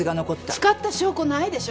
使った証拠ないでしょ